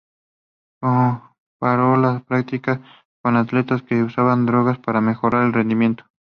Comparó la práctica con atletas que usan drogas para mejorar el rendimiento.